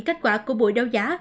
kết quả của buổi đấu giá